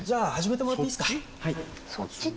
はい。